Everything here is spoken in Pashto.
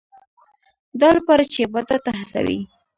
دا لپاره چې عبادت ته هڅوي.